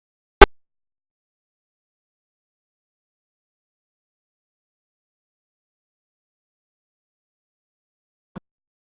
โปรดติดตามต่อไป